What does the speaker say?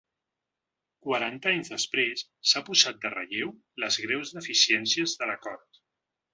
Quaranta anys després s’han posat de relleu les greus deficiències de l’acord.